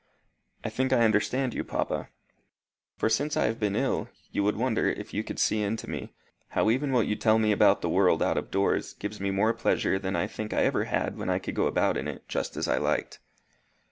"I think I understand you, papa. For since I have been ill, you would wonder, if you could see into me, how even what you tell me about the world out of doors gives me more pleasure than I think I ever had when I could go about in it just as I liked."